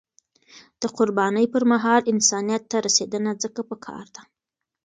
د قربانی پر مهال، انسانیت ته رسیدنه ځکه پکار ده.